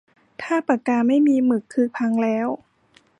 ถ้าปากกาไม่มีหมึกคือพังแล้ว